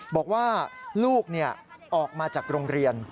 บอกว่าลูกออกมาจากโรงเรียน